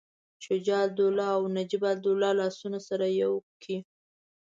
شجاع الدوله او نجیب الدوله لاسونه سره یو کړي.